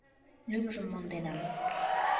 Лӱмжым монденам.